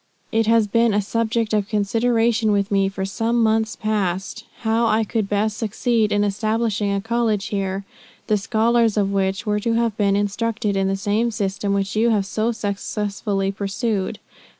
It has been a subject of consideration with me, for some months past, how I could best succeed in establishing a college here, the scholars of which were to have been instructed in the same system which you have so successfully pursued.